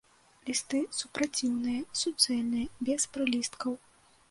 Лісты супраціўныя, суцэльныя, без прылісткаў.